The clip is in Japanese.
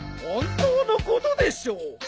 本当のことでしょう！